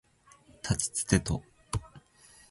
たちつてと